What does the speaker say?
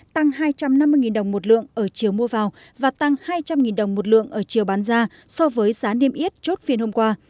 tăng hai trăm năm mươi đồng một lượng ở chiều mua vào và tăng hai trăm linh đồng một lượng ở chiều bán ra so với giá niêm yết chốt phiên hôm qua